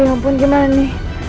aduh ya ampun gimana nih